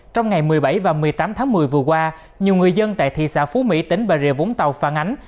trong ngày một mươi bảy và một mươi tám tháng một mươi vừa qua nhiều người dân tại thị xã phú mỹ tỉnh bà rịa vũng tàu phản ánh